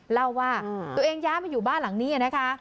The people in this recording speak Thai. เล่าว่าตัวเองย้ายมาอยู่บ้านหลังนี้นะคะ